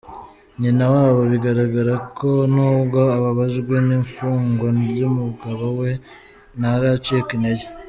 Nyina wabo, bigaragara ko, nubwo ababajwe n’ifungwa ry’umugabo we, ntaracika intege.